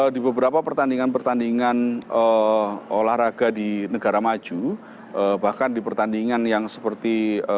di beberapa pertandingan pertandingan olahraga di negara maju bahkan di pertandingan yang seperti